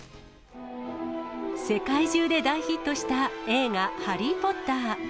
世界中で大ヒットした映画、ハリー・ポッター。